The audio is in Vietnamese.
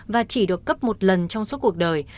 và chỉ được cấp một lần trong suốt cuộc đời